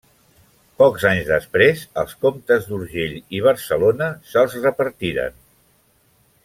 Pocs anys després, els comtes d'Urgell i Barcelona se'ls repartiren.